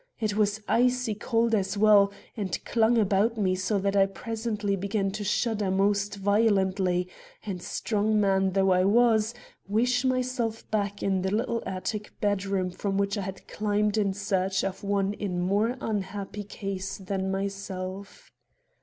It was icy cold as well, and clung about me so that I presently began to shudder most violently, and, strong man though I was, wish myself back in the little attic bedroom from which I had climbed in search of one in more unhappy case than myself.